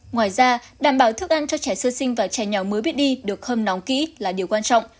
ngoài ra đảm bảo thức ăn cho trẻ sơ sinh và trẻ nhỏ mới biết đi được hâm nóng kỹ là điều quan trọng